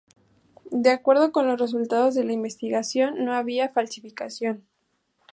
De acuerdo con los resultados de la investigación, no había falsificación.